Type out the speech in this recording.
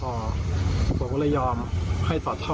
โบราณเขาอย่อมให้สอดท่อ